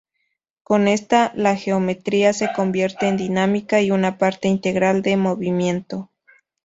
Con esto la geometría se convierte en dinámica y una parte integral de movimiento.